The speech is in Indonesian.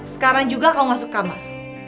sekarang juga kau masuk kamar